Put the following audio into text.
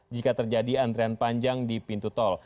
jika terjadi antrian panjang di pintu tol